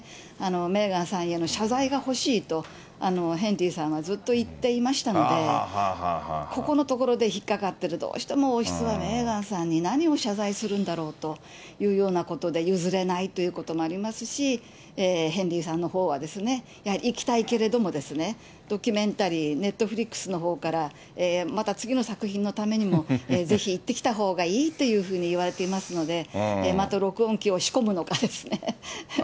メーガンさんへの謝罪が欲しいと、ヘンリーさんはずっと言っていましたので、ここのところで引っかかってる、どうしても王室はメーガンさんに何を謝罪するんだろうというようなことで、譲れないということもありますし、ヘンリーさんのほうは、行きたいけれども、ドキュメンタリー、ネットフリックスのほうからまた次の作品のためにもぜひ行ってきたほうがいいというふうにいわれていますので、また録音機を仕込むのかですね。